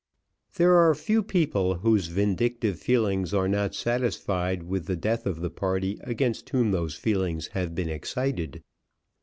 There are few people whose vindictive feelings are not satisfied with the death of the party against whom those feelings have been excited.